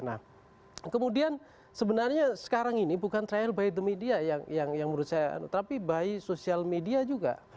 nah kemudian sebenarnya sekarang ini bukan trial by the media yang menurut saya tapi by social media juga